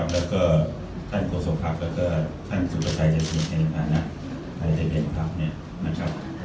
และท่านโกศกภักดิ์และท่านจุภัยเจริญในฐานะไทยเจริญ